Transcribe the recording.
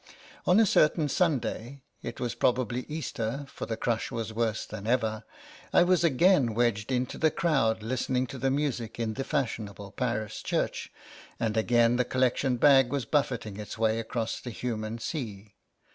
On a certain Sunday — it was probably Easter, for the crush was worse than ever — I was again wedged into the crowd listening to the music in the fashionable Paris church, and again the collection bag was buffeting its way across the human sea.